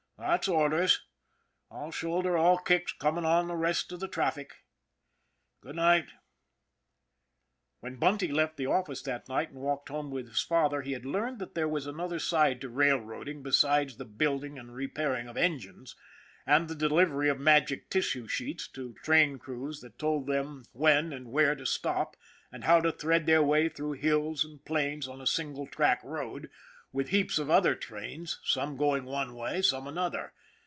That's orders. I'll shoulder all kicks coming on the rest of the traffic. Good night." When Bunty left the office that night and walked home with his father, he had learned that there was another side to railroading besides the building and re pairing of engines, and the delivery of magic tissue sheets to train crews that told them when and where to stop, and how to thread their way through hills and plains on a single track road, with heaps of other trains, some going one way, some another.